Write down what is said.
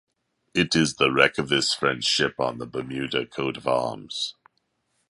It is the wreck of this French ship on the Bermuda coat of arms.